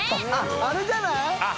あれじゃない？